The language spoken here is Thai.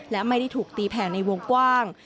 และไม่ได้ถูกตีแผ่ในวงกว้าง